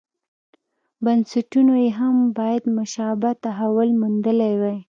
بنسټونو یې هم باید مشابه تحول موندلی وای.